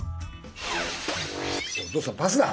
お父さんパスだ！